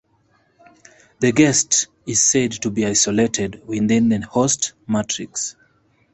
The guest is said to be "isolated" within the host matrix.